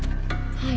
はい。